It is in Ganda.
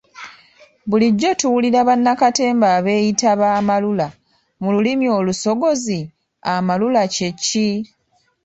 Bulijjo tuwulira bannakatemba abeeyita ba 'amalula' mu lulimi olusogozi amalula kye ki?